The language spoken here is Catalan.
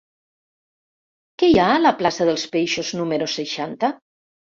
Què hi ha a la plaça dels Peixos número seixanta?